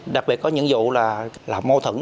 đặc biệt có những vụ là mô thẩn